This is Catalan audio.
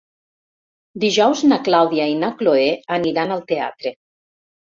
Dijous na Clàudia i na Cloè aniran al teatre.